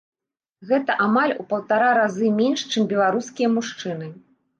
Гэта амаль у паўтара разы менш, чым беларускія мужчыны.